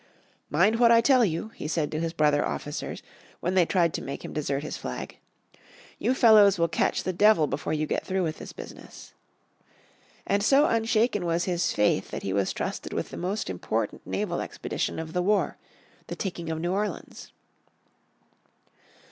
"Mind what I tell you," he said to his brother officers, when they tried to make him desert his flag, "you fellows will catch the devil before you get through with this business." And so unshaken was his faith that he was trusted with the most important naval expedition of the war, the taking of New Orleans.